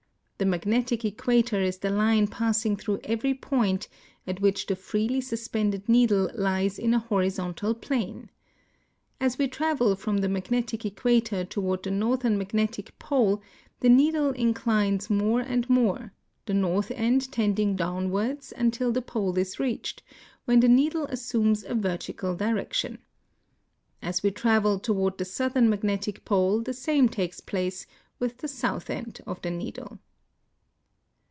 The magnetic eciuator is the line passing through every i)oint at which the freely suspended needle lies in a horizontal plane. As we travel from the magnetic equator to ward the northern magnetic pole the needle inclines ni..n and 268 THE COMPASS IN MODERN NA VIGA TION more, the north end tending downwards until the pole is reached, when the needle assumes a vertical direction. As we travel toward the southern magnetic pole the same takes place with the south end of the, needle.